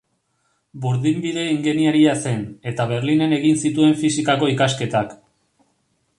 Burdinbide ingeniaria zen, eta Berlinen egin zituen fisikako ikasketak.